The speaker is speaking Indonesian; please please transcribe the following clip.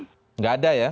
tidak ada ya